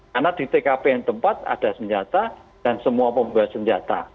karena di tkp yang tempat ada senjata dan semua pembuat senjata